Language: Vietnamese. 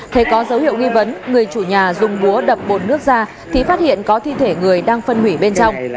thấy có dấu hiệu nghi vấn người chủ nhà dùng búa đập bột nước ra thì phát hiện có thi thể người đang phân hủy bên trong